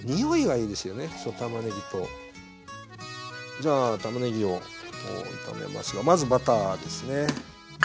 じゃあたまねぎを炒めますがまずバターですね。